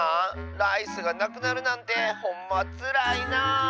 ライスがなくなるなんてほんまつらいなあ。